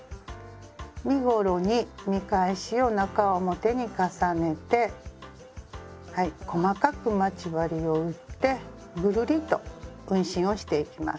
身ごろに見返しを中表に重ねてはい細かく待ち針を打ってぐるりと運針をしていきます。